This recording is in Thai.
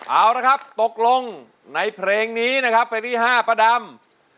เอาละครับตกลงในเพลงนี้นะครับเพลงที่๕ป้าดำ